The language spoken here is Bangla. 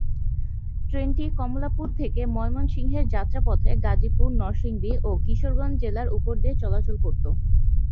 ট্রেনটি কমলাপুর থেকে ময়মনসিংহের যাত্রা পথে গাজীপুর, নরসিংদী ও কিশোরগঞ্জ জেলার উপর দিয়ে চলাচল করত।